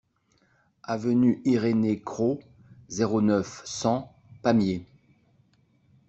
Avenue Irénée Cros, zéro neuf, cent Pamiers